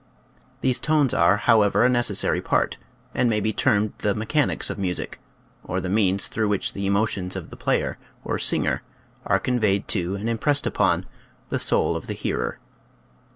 These tones are, however, a necessary part, and may be termed the mechanics of music, or the means through which the emotions of the player or singer are conveyed to and im pressed upon the soul of the hearer.